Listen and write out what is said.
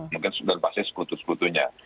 mungkin sudah pasti sekutu sekutunya